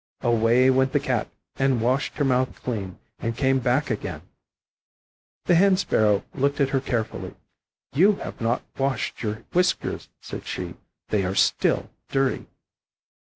Away went the Cat, and washed her mouth clean, and came back again. The Hen sparrow looked at her carefully. "You have not washed your whiskers," said she; "they are still dirty."